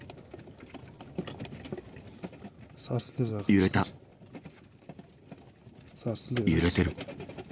揺れた、揺れてる。